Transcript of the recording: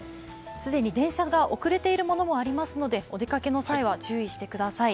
既に電車が遅れているものもありますのでお出かけの際は注意してください。